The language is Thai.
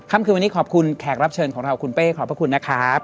คืนวันนี้ขอบคุณแขกรับเชิญของเราคุณเป้ขอบพระคุณนะครับ